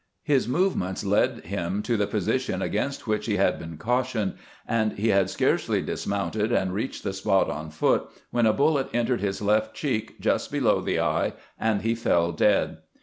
His movements led him to the position against which he had been cautioned, and he had scarcely dis mounted and reached the spot on foot when a bullet entered his left cheek just below the eye, and he fell dead.